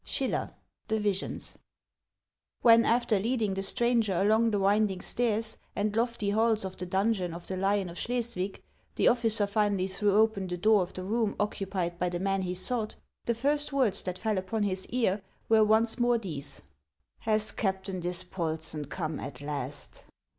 — SCHILLER : The Visions. WHEX, after leading the stranger along the winding stairs and lofty halls of the donjon of the Lion of Schleswig, the officer finally threw open the door of the room occupied by the man he sought, the first words that fell upon his ear were once more these :" Has Captain Dispolsen come at last